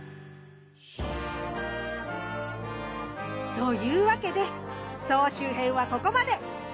というわけで総集編はここまで！